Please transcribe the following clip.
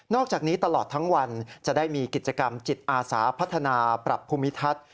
อกจากนี้ตลอดทั้งวันจะได้มีกิจกรรมจิตอาสาพัฒนาปรับภูมิทัศน์